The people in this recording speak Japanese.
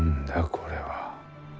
これは。